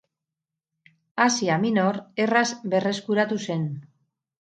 Asia Minor erraz berreskuratu zen.